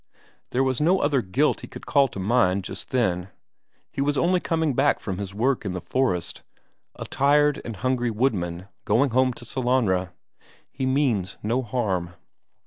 There was no other guilt he could call to mind just then; he was only coming back from his work in the forest, a tired and hungry woodman, going home to Sellanraa he means no harm....